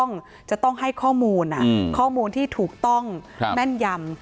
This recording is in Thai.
มีงานที่เกี่ยวข้องจะต้องให้ข้อมูลข้อมูลที่ถูกต้องแม่นยำ